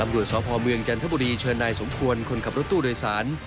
ตำรวจสพเมืองจันทบุรีเชิญนายสมควรคนขับรถตู้โดยสาร